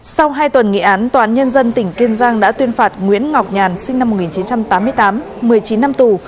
sau hai tuần nghị án tòa án nhân dân tỉnh kiên giang đã tuyên phạt nguyễn ngọc nhàn sinh năm một nghìn chín trăm tám mươi tám một mươi chín năm tù